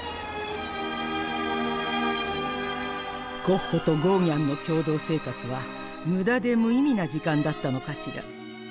ゴッホとゴーギャンの共同生活はむだでむいみな時間だったのかしら？